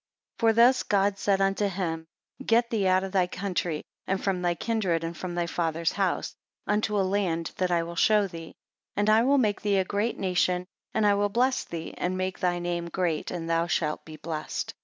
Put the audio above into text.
6 For thus God said unto him; "get thee out of thy country, and from thy kindred, and from thy father's house, unto a land that I will show thee." 7 "And, I will make thee a great nation, and will bless thee, and make thy name great, and thou shalt be blessed.